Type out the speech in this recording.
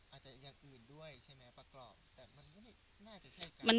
อาจจะอย่างอื่นด้วยใช่ไหมประกรอบ